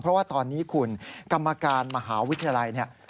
เพราะว่าตอนนี้คุณกรรมการมหาวิทยาลัยเนี่ย